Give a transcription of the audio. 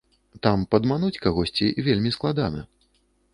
Там падмануць кагосьці вельмі складана.